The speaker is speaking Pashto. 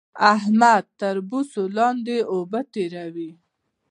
احمد تر بوسو لاندې اوبه تېروي